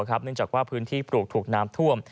เนื่องจากว่าพื้นที่ปลูกถูกน้ำท่วม